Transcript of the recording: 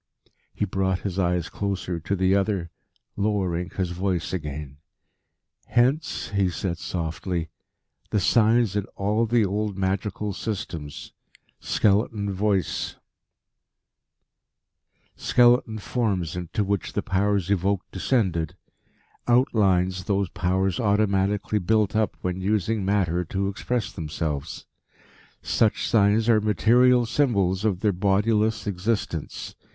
He brought his eyes closer to the other, lowering his voice again. "Hence," he said softly, "the signs in all the old magical systems skeleton forms into which the Powers evoked descended; outlines those Powers automatically built up when using matter to express themselves. Such signs are material symbols of their bodiless existence.